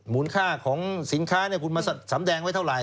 มูลค่าของสินค้าเนี่ยคุณมาสำแดงไว้เท่าไหร่